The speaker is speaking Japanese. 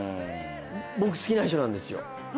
僕好きな人なんですよ。